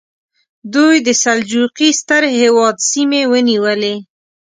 دوی د سلجوقي ستر هېواد سیمې ونیولې.